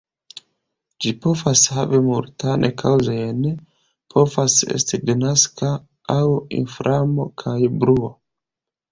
Ĝi povas havi multan kaŭzojn, povas esti denaska aŭ inflamo kaj bruo.